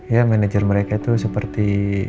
ya manajer mereka itu seperti